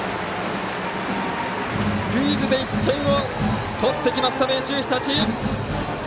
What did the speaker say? スクイズで１点を取ってきました明秀日立。